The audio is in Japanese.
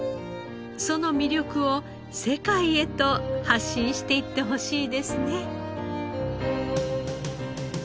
その魅力を世界へと発信していってほしいですね。